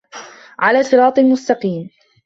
عَلى صِراطٍ مُستَقيمٍ